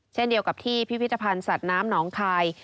เช่นเดียวกับที่พิพิธภัณฑ์สัตว์น้ำหนองคาย